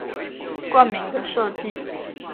冠名的設計